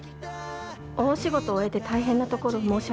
大仕事を終えて大変なところ申し訳ないんですが。